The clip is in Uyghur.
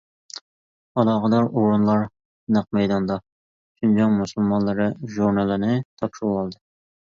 ئالاقىدار ئورۇنلار نەق مەيداندا ‹ ‹شىنجاڭ مۇسۇلمانلىرى› › ژۇرنىلىنى تاپشۇرۇۋالدى.